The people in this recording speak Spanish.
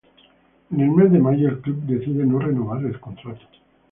En el mes de mayo el club decide no renovarle el contrato.